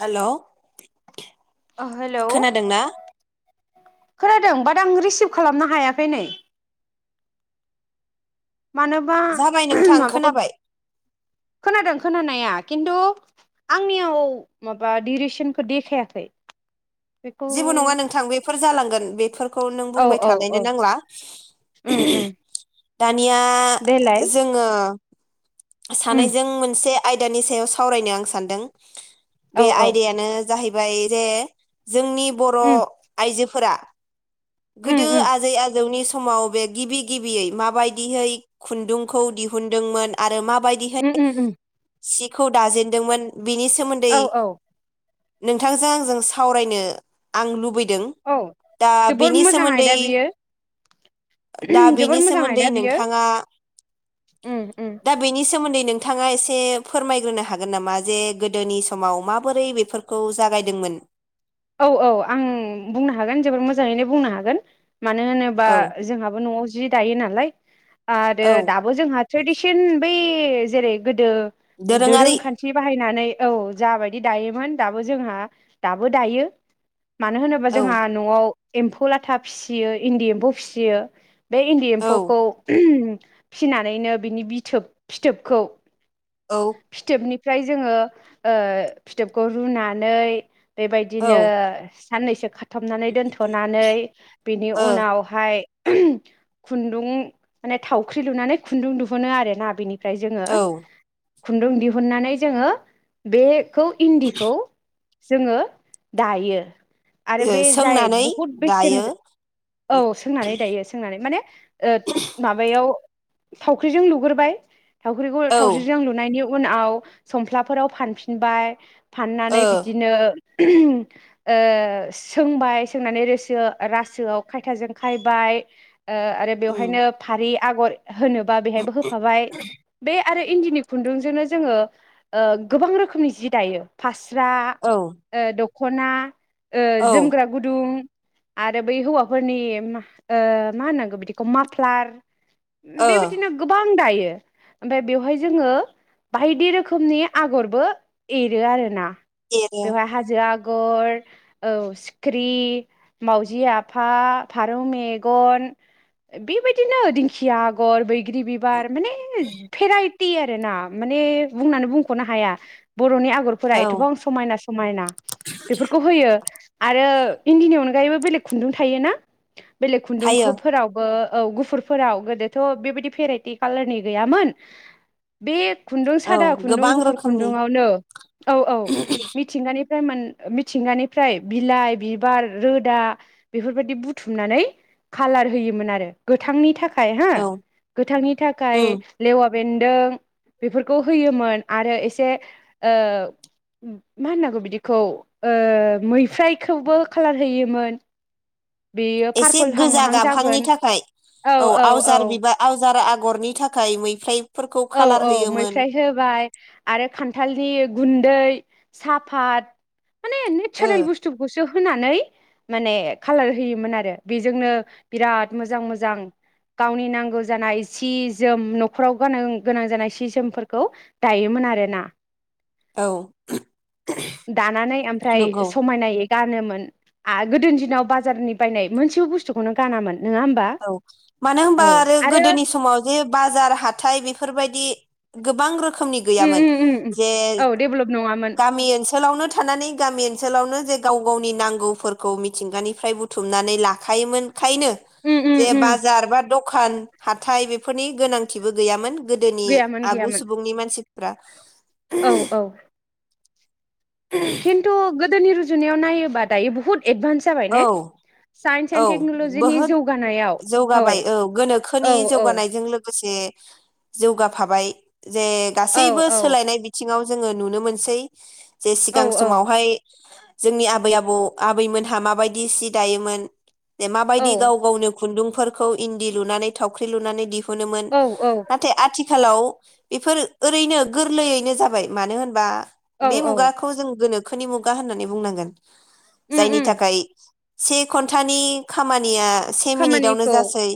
हेल' ओ हेल' खोनादों बाथ आं रि [inaudible] मानोबा जाबाय नोंथां माबाखौ खोनाबाय खोनादों खोनानाया खिन्थु आंनियाव माबा दिउरिसनखौ देखायाखै बेखौ जेबो नङा नोंथां फोर जालांगोन बेफोर खौ औ औ बुंबायथालायनो औ नांला उम उम दानिया देलाय जों उम सानैजों मोनसे आयदानि सायाव सावरायनो आं सानदों औ बे औ आयदायानो जाहैबाय रे जोंनि बर' उम आइजोफोरा उम गोदो उम आजै आजौनि स समाव बे गिबि गिबियै माबादिहै खुनदुंखौ दिहुनदोंमोन आरो मा उ उ उ सिखौ दाजेनदोंमोन बिनि सोमोन्दै औ औ नोंथांजों औ दा जोबोर बेनि मोजां सोमोन्दै आयदा बियो दा बेनि जोबोर मोजां सोमोन्दै आयदा बियो नोंथाङा बे सोमोन्दै नोंथाङा एसे फोरमायग्रोनो हागोन नामा जे गोदोनि समाव माबोरै बेफोरखौ जागायदोंमोन? औ औ आं बुंनो हागोन जोबोद मोजाङैनो बुंनो हागोन। मानो होनोबा औ जोंहाबो न'आव जि दायो नालाय आरो औ दाबो जोंहा ट्रेडिसन बै जेरै गोदो दोरोङारि दोरोंखान्थि बाहायनानै औ जाबायदि दायोमोन दाबो जोंहा दाबो दांयो मानो होनोबा औ जोंहा न'आव एम्फौ लाथा फिसियो इन्दि एम्फौ फिसियो बे इन्दि औ एम्फौखौ फिनानैनो बिनि बिथोब फिथोबखौ औ फिथोबनि फ्राय जोंङो फिथोबखौ रुनानै औ ओ बेबायदिनो साननैसो खा थाबनानै दोनथ'नानै बिनि औ उनावहाय खुन्दुं माने थावख्रि लुनानै खुन्दुं दिुहुनो आरोना बेनि ओमफ्राय जोंङो ओ खुन्दुं दिहुननानै जोंङो बे खौ इन्दिखौ जोंङो दायो आरो बे जाय सोंनानै बहुद बेसेन दायो औ सोंनानै दायो सोंनानै माने ओ माबायाव थावख्रिजों लुग्रोबाय थावख्रिखौ औ थावस्रि लुनायनि उनाव समफ्लाफोराव फानफिनबाय ओ फाननानै बिदिनो [unintelligible] ओ सोंबाय सोंनानै रोसो रासोआव खायथाजों खायबाय आरो उम बेवहायनो फारि आगर होनोबा बेहायबो होफाबाय बे आरो इन्दिनि खुन्दुंजोंनो जोङो ओ गोबां रोखोमनि जि दायो फास स्रा औ ओ दख ख'ना ओ औ जोमग्रा गुदुं आरो बै हौवाफोरनि ओ मा होनांगौ बिदिखौ माफ्लार ओ बेबायदिनो गोबां दायो ओमफाय बेवहाय जोङो बायदि रोखोमनि आगरबो एरो आरोना एरो बेवहाय हाजो आग आगर औ सिख्रि मावजि आफा फारौ मेगन बेबायदिनो दिंखिया आगर बै ग्रि बिबार माने भेराइ ति आरो ना माने बुंनानै बुंख'नो हाया बर'नि आगरफोरा औ एथबां समायना समायना बेफोरखौ होयो आरो इन्दिनि अनगायैबो बेलेग खुन्दुं थायोना बेलेग थायो खुन्दुंखौफोरावबो औ गुफुरफोराव गोदोथ' बेबायदि भेराइटि कालारनि गैयामोन बे खुन्दुं औ सादा खुन्दुं गोबां गुफुर रोखोमनि खुन्दुंआवनो औ औ मिथिंगानि मोन मिथिंगानिफ्राय बिलाइ बिबार रोदा बेफोरबायदि बुथुमनानै खालार होयोमोन आरो गोथांनि थाखाय हो औ गोथांनि थाखाय उम लेवा बेदों बेफोरखौ होयोमोन आरो एसे ओ मा होनांगौ बिदिखौ मैफ्रायखौबो खालार होयोमोन बेयो एसे पारपोल हां गोजा माहां गाबहांनि जागोन थाखाय औ आवजार बिबार आवजारा आग आगरनि थाखाय मैफ्राय औ औ मैफ्राय होबाय आरो खान्थालनि गुन्दै साफात माने ओ नेचारेल बस्थु ब [unintelligible] होनानै माने कालार होयोमोन आरो बेजोंनो बिराद मोजां मोजां गावनि नांगौ जानाय सि जोम न'खराव गान गोनां जानाय सि जोमफोरखौ दायोमोन आरोना औ दानानै ओमफ्राय नंगौ समायनाय गानोमोन गोदोनि दिनाव बाजारनि बायनाय मोनसेबो बुस्थुखौनो गानामोन नङा होमबा औ मानो होनबा आरो गोदोनि समाव जे बाजार हाथाय बेफोरबायदि [unintelligible] गोबां रोखोम नि उम गैयामोन उम उम जे औ डेभेलप नङामोन गामि ओनोलावनो थानानै गामि ओनसोलावनो जे गाव गावनि नांगौफोरखौ मिथिंगानिफ्राय बुथुमनानै लाखायोमोन खायनो उम उम उम बाजार बा दखान हाथाय बेफोरनि गोनांथिबो गैयामोन गोदोनि गैयामोन आगु गैयामोन सुबुंनि मानसि [unintelligible] फ्रा खिनथु गो गोदोनि रुजुनायाव नायोबा दायो बुहुत एडभान्स जाबाय औ ने साइन्स औ एन्ड टेक्न'लजिनि बहुद जौगानायाव जौगाबाय औ गोनोखोनि औ औ जौगानायजों लोगोसे जौगाफाबाय जे औ गासैबो औ सोलायनाय बिथिङाव जोङो नुनो मोनसै जे औ सिगां समावहाय जोंनि आबै आबौ आबैमोनहा मा मा बायदि सि दायोमोन मा औ बायदि गाव गावनो खुन्दुंफोरखौ इन्दि लुनानै थावख्रि लुनानै दिहुन मोनोमोन औ नाथाय आथिखालाव बेफोर ओरैनो गो रलैयैनो जाबाय मानो होनबा औ बे औ मुगाखौ जों गोनो खोनि मुगा होननानै बुंनांगोन उम जायनि उम थाखाय से घन्टानि खामानिया से मिनिटावनो खामानिखौ जासै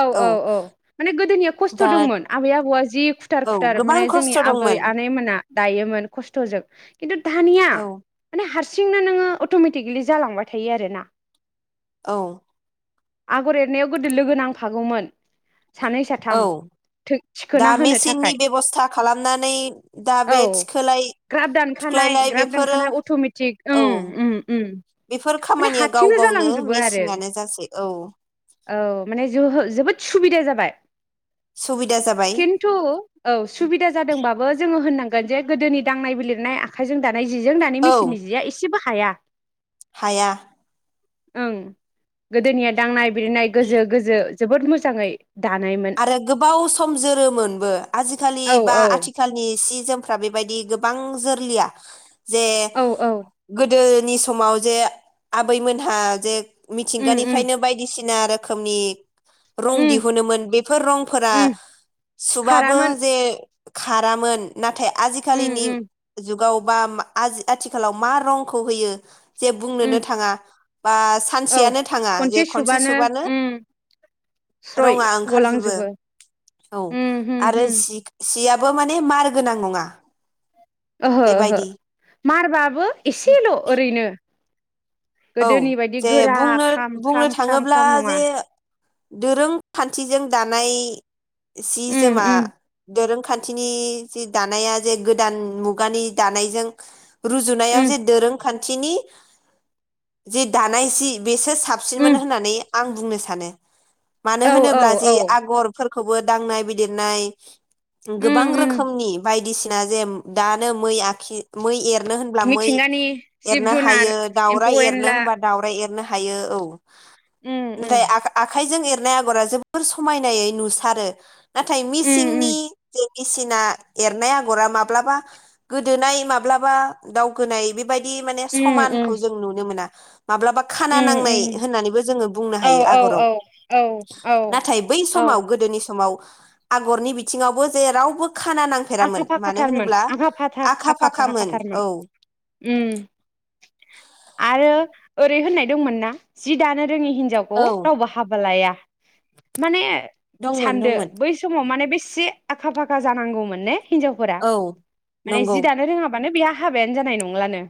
औ औ औ माने गोदोनिया खस्थ' दा दंमोन आबै आबौआ जि खुथार औ खुथार गोबां माने जोंनि खस्थ' आबै दंमोन आनैमोना दायोमोन खस्थ'जों खिन्थु दानिया औ माने हारसिंनो नोङो अट'मेटिकेलि जालांबाय थायो आरोना औ आगर एरनायाव गोदो लोगो नांफागौमोन सानै औ साथाम दा थिखोना होनो मेसिननि थाखाय बेब'स्था खालामनानै दा औ बे थिखोलाय ग्राब दानखानाय थुख्लायलाय ग्राब बेफोरो दानखानाय अट'मेटिक औ ओं उम उम बेफोर माने खामानिया गाव हारसिंनो गावनो जालांजोबो आरो मेसिनानो जासै औ औ माने जोबोद सुबिदा जाबाय बाय सुबिदा जाबाय [inaudible] खिन्थु औ सुबिदा जादोंबाबो जोङो होननां जे गोदोनि दांनाय बिलिरनाय आखाइजों दा नाय जिजों दानि औ मेचननि जिया एसेबो हाया हाया ओं गोदोनिया दांनाय बिरनाय गोजो गोजो जोबोद मोजाङै दानायमोन आरो गोबाव सम जोरोमोनबो आजिखालि औ बा औ आथिखालनि सि जोमफ्रा बेबायदि गोबां जोरलिया। जे औ औ गोद दोनि समाव जे आबैमोनहा जे उम उम मिथिंगानिफ्रायनो बायदिसि ना रोखोमनि रं उम दिहुनोमोन बे बेफोर रंफोरा उम सुबाबो खारामोन जे खारामोन नाथाय उम आजिखालिनि उम जुग गावबा आजि-आथिखालाव मा रंखौ होयो? जे उम बुंनोनो थाङा बा औ सानसेयानो थाङा जे खनसे सुबानो [inaudible] स्रय रङा ओंखार जोबो, गलांजोबो औ उम होम आरो होम सि सिया बुबा माने मार गोनां नङा। ओहो ओहो बेबायदि मारबाबो एसेल' ओरैनो औ गोदोनि बायदि जे गोरा बुंनो ख्राम बुंनो ख्राम ख्राम थाङोब्ला ख्राम नङा जे दोरोंखान्थिजों दानाय सि उम जोमा उम दोरों खान्थिनि जि दानाया जे गोदान मुगानि दानायजों रुजुनायाव उम जे दोरोंखान थिनि जि दानाय सि बेसो साबसिनमोन उम होननानै आं बुंनो सानो। मानो औ औ होनोब्ला जे औ आगरफोर खौबो दांनाय बिलिरनाय उम गोबां उम रोखोमनि बाय दिसिना जेम दानो मै आखि मै एरनो होनब्ला मै मिथिंगानि जिब एरनो जुनार हायो दाउ एम्फौ एरनो एनला होनबा दावराय एरनो हायो औ। उम उम नाथाय आ-आखाइजों एर नाय आगरा जोबोर समायनायै नुसारो। नाथाय उम उम मिसिंनि मिसिना एरनाय आगरा माब्लाबा गोदोनाय माब्लाबा दावखोनाय बेबाय दि माने उम उम समानखौ नुनो मोना। माब्लाबा खाना नांनाय उम उम होननानैबो जोङो बुंनो औ हायो औ आगराव। औ औ औ नाथाय बै समाव औ गोदोनि समाव आगरनि बिथिङावबो जे रावबो खाना आखा नांफेरामोन मानो फाखाथारमोन होनोब्ला आखा फाखा आखा फाखामोन फाखाथारमोन औ। उम आरो ओरै होननाय दंमोन ना जि दानो रोङि हिनजावखौ औ रावबो हाबा लाया। माने दंमोन सानदो दंमोन बै समाव माने बेस से आखा फाखा जानांगौमोन ने हिनजावफोरा औ माने नंगौ जि दानो रोङा माने बेया हाबायानो जानाय नंलानो।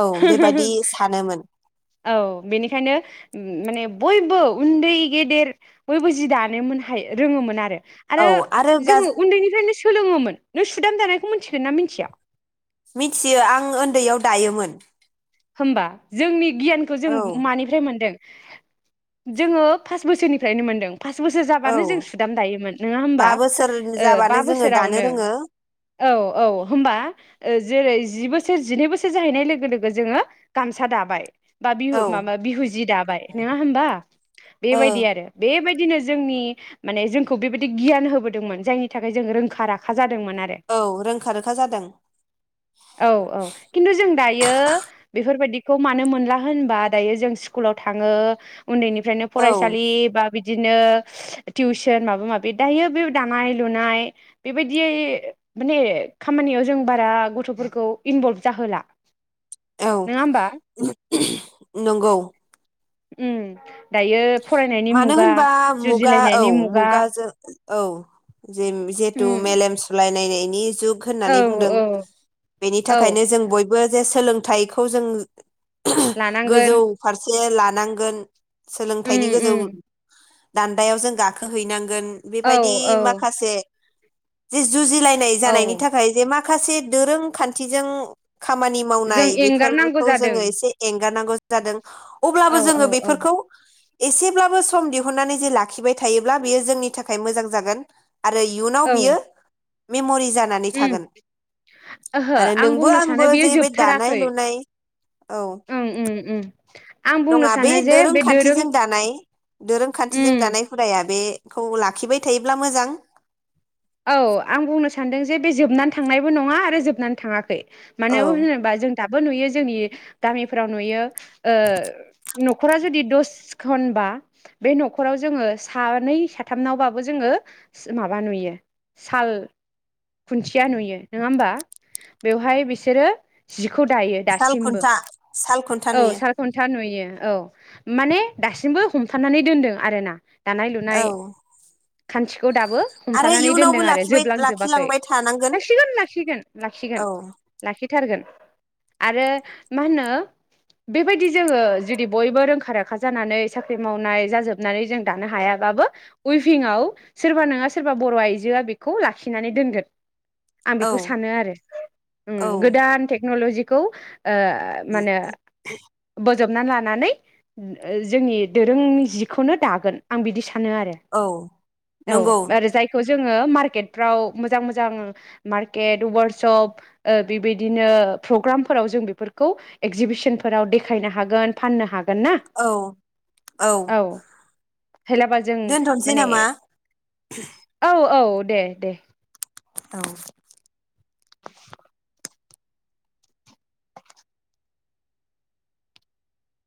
औ बेबायदि सानोमोन। औ बेनिखायनो उम माने बयबो उन्दै गेदेर बयबो जि दानोमोन हाय रोङोमोन आरो औ आरो गाज जोङो उन्दैनिफ्रायनो सोलोङोमोन। नों सुदाम दानायखौ मोनथिगोना मिनथिया? मिथियो आं ओन्दैयाव दायोमोन। होमबा जोंनि गियानखौ जों औ मानिफ्राय मोनदों? जोङो फास बोसोरनिफ्रायनो मोनदों। फास बोसोर औ जाबानो जों सुदाम दायोमोन। नोङा बा होमबा? बोसोर ओ बा जाबानो जोङो दानो बोसोरावनो रोङो औ औ। होमबा ओ जेरै जि बोसोर जिनै बोसोर जाहैनाय लोगो लोगो जोङो गामसा दाबाय बा बिहु औ माबा बिहु जि दाबाय नोङा होमबा ओ बेबायदि आरो बेबायद दिनो जोंनि माने जोंखौ बेबायदि गियान होबोदोंमोन जायनि थाखाय जोंङो रोंखा राखा जाद मोन आरो। औ रोंखा रोखा जादों औ औ किन्टु जों दायो बेफोरबायदिखौ मानो मोनला होनबा दायो जों स्कुलाव थाङो उन्दैनिफ्रायनो औ फरायसालि बा बिद दिनो टिउसन माबा माबि दायो बे दानाय लुनाय बेबायदियै ए माने खामानियाव जों बारा गथ'फोरखौ इनभल्ब जाहोला। औ नङा होमबा नंगौ उम दायो फरायनायनि मानो मुगा होनबा मुगा औ जुजिलायनायनि मुगा मुगाजों औ जेम जेतु उम मेलेम सुलाय नायनायनि जुग औ होननानै बुंदों बेनि औ थाखायनो जों बयबो जे सोलोंथाइखौ जों ओ गोजौ लानांगोन फारसे लानांगोन सोलों उम गोजौ उम दान्दायाव जों गाखोहैनां गोन औ बेबायदि औ माखासे [unintelligible] जुजिलायनाय जानायनि औ थाखाय जे माख खासे दोरों खान्थिजों खामानि जों मावनाय एंगारनांगौ बेफोरखौ जादों जोङो एसे एंगारनांगौ जादों अब्लाबो औ जोङो औ औ बेफोरखौ एसेब्लाबो सम दिहुननानै जे लाखिबाय थायोब्ला बेयो जोंनि थाखाय मोजां जागोन। आरो इयुनाव औ बियो मेम'रि जानानै उम थागोन ओहो आरो आं नोंबो बुंनो आंबो सानो बेयो जे बे दानाय जोबथाराखै लुनाय औ उम उम उम। आं बुंनो नङा बे सानो जे बे दोरों दोरोंखान्थिजों दानाय दोरोंखान्थिजों उम दानाय हुदाया बे खौ लाखिबाय थायोब्ला मोजां। औ आं बुंनो सानदों जे बे जोबनानै थांनायबो नङा आरो जोबनानै थाङाखै। औ मानो होनोबा जों दा बो नुयो जोंनि गामिफोराव नुयो ओ न'खरा जुदि दस खनबा बे न'खराव जोङो सानै साथामनावबाबो जोङो माबा नुयो साल खुन्थिया नुयो नङा होमबा बेवहाय बिसोरो जि खौ दायो साल दासिमबो। खुन्था साल खुन्था औ नुयो सारखुन्था नुयो। औ माने दासिमबो हमथानानै दोनदों आरो ना। दानाय लुनाय औ खान्थि खौ दाबो आरो हमथानानै इयुनावबो दोनदों आरो लाखिबाय जोबलांजोबाखै लाखिलांबाय थानांगोन लाखिगोन लाखिगोन लाखिगोन औ लाखि थारगोन आरो मा होनो बेबायदि जोङो जुदि बयबो रोंखा राखा जानानै साख्रि मावनाय जाजोबनानै जों दानो हायाबाबो उइभिंआव सोरबा नोङा सोरबा बर' आइजोआ बेखौ लाखिनानै दोनगोन। आं औ बेखौ सानो आरो उम औ गोदान टेक्न'लजि। खौ ओ मानो [unintelligible] फोजबनानै लानानै जोंनि दोरोंनि जिखौनो दागोन आं बिदि सानो। सानो आरो औ औ नंगौ आरो जायखौ जोङो मार्केतफोराव मोजां मोजां मार्केट वारकसप ओ बिबायदिनो प्रग्रामफोराव जों बेफोरखौ एक्जिबिस नफोराव देखायनो हागोन फाननो हा गोन ना? औ औ हेलाबा जों दोनथ'नोसै माने नामा औ औ। दे दे औ